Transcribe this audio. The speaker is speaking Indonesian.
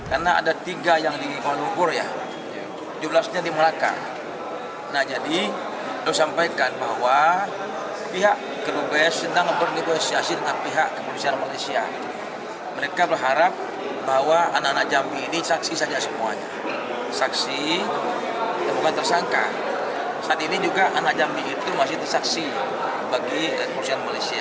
anak jambi itu masih disaksi bagi keimigrasian malaysia